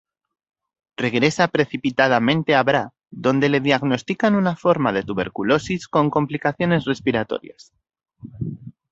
Regresa precipitadamente a Bra, donde le diagnostican una forma de tuberculosis con complicaciones respiratorias.